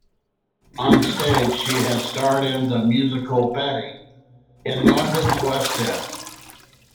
On stage she has starred in the musical "Betty", in London's West End.